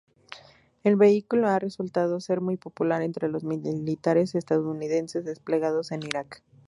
El vehículo ha resultado ser muy popular entre los militares estadounidenses desplegados en Irak.